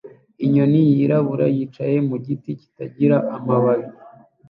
Inyoni yirabura yicaye mu giti kitagira amababi